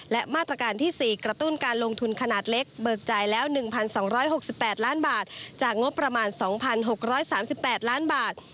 และมาตรการที่๔กระตุ้นการลงทุนขนาดเล็กเบิกจ่ายแล้ว๑๒๖๘ล้านบาทจากงบประมาณ๒๖๓๘ล้านบาท